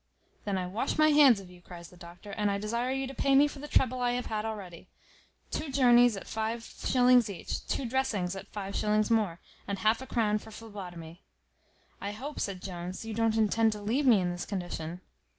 "Then I wash my hands of you," cries the doctor; "and I desire you to pay me for the trouble I have had already. Two journeys at 5s. each, two dressings at 5s. more, and half a crown for phlebotomy." "I hope," said Jones, "you don't intend to leave me in this condition."